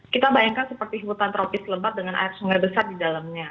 kita bayangkan seperti hutan tropis lebat dengan air sungai besar di dalamnya